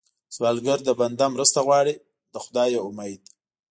سوالګر له بنده مرسته غواړي، له خدایه امید